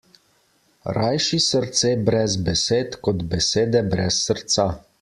Rajši srce brez besed kot besede brez srca.